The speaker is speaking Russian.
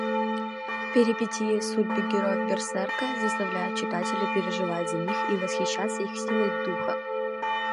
Перипетии судьбы героев Берсерка заставляют читателя переживать за них и восхищаться их силой духа.